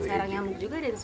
serang nyam juga den